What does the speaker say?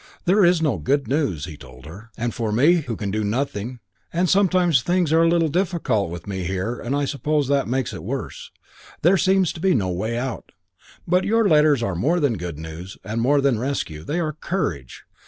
"There is no good news," he told her, "and for me who can do nothing and sometimes things are a little difficult with me here and I suppose that makes it worse there seems to be no way out. But your letters are more than good news and more than rescue; they are courage.